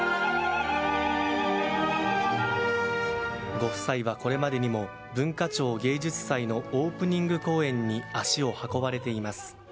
ご夫妻は、これまでにも文化庁芸術祭のオープニング公演に足を運ばれています。